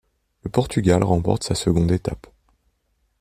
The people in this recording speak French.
Le Portugal remporte sa seconde étape.